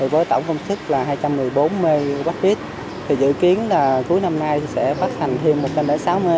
với tổng công suất là hai trăm một mươi bốn mwp thì dự kiến là cuối năm nay sẽ phát hành thêm một trăm linh sáu mw